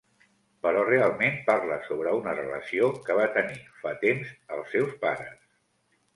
Però realment parla sobre una relació que va tenir fa temps els seus pares.